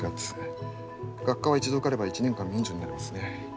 学科は一度受かれば１年間免除になりますね。